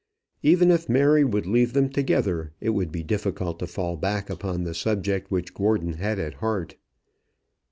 Even if Mary would leave them together, it would be difficult to fall back upon the subject which Gordon had at heart.